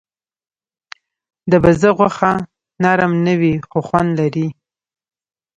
د بزه غوښه نرم نه وي، خو خوند لري.